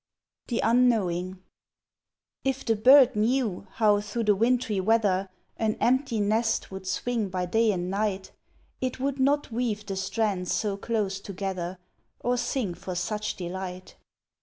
THE UNKNOWING If the bird knew how through the wintry weather An empty nest would swing by day and night, It would not weave the strands so close together Or sing for such delight.